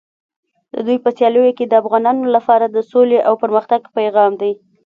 د دوی په سیالیو کې د افغانانو لپاره د سولې او پرمختګ پیغام دی.